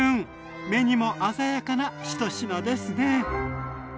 目にも鮮やかな１品ですね。